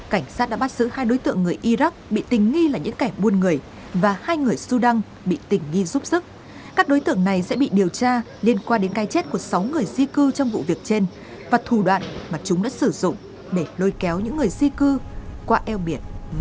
cảnh sát đã bắt giữ hai đối tượng người iraq bị tình nghi là những kẻ buôn người và hai người sudan bị tình nghi là những kẻ buôn người và hai người sudan bị tình nghi